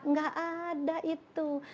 nggak ada itu